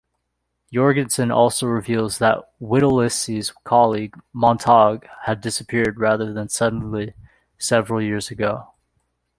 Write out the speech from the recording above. Jorgensen also reveals that Whittlesey's colleague Montague had disappeared rather suddenly several years ago.